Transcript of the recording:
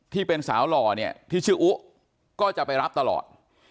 ที่เป็นสาวหล่อเนี่ยที่ชื่ออุก็จะไปรับตลอด